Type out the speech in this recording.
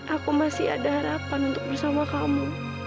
aku masih ada harapan untuk bersama kamu